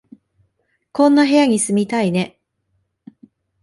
こんな部屋に住みたいね